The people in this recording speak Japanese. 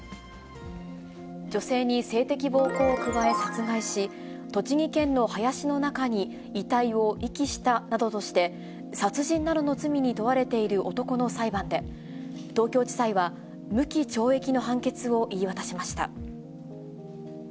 女性に性的暴行を加え、殺害し、栃木県の林の中に遺体を遺棄したなどとして、殺人などの罪に問われている男の裁判で、東京地裁は無期懲役の判決を言い渡しました。